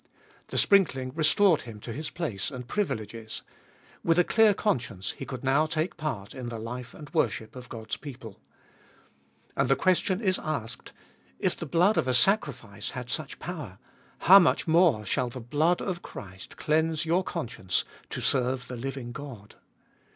The sprinkling restored him to his place and privileges ; with a clear conscience he could 300 Gbe Dotiest of now take part in the life and worship of God's people. And the question is asked — If the blood of a sacrifice had such power, how much more shall the blood of Christ cleanse your conscience to serve the living God?